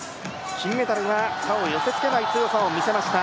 金メダルが、他を寄せ付けない強さを見せました。